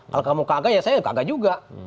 kalau kamu kagak ya saya kagak juga